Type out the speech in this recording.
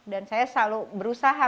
dan saya selalu berusaha